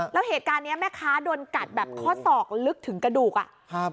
แล้วเหตุการณ์เนี้ยแม่ค้าโดนกัดแบบข้อศอกลึกถึงกระดูกอ่ะครับ